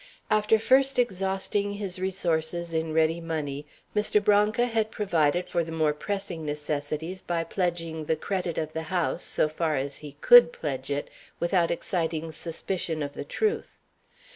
After first exhausting his resources in ready money, Mr. Branca had provided for the more pressing necessities by pledging the credit of the house, so far as he could pledge it without exciting suspicion of the truth.